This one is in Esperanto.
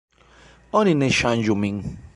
"Oni ne ŝanĝu min."